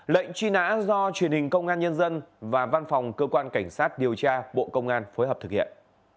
lệnh truy nã do truyền hình công an nhân dân và văn phòng cơ quan cảnh sát điều tra bộ công an phối hợp thực hiện